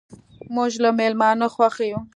موږ له میلمانه خوښ یو.